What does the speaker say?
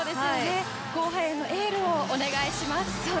後半へのエールをお願いします。